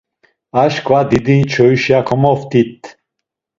Aşǩva Didiçoyişa kamaft̆it.